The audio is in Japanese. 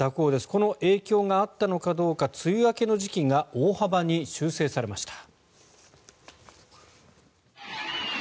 この影響があったのかどうか梅雨明けの時期が大幅に修正されました。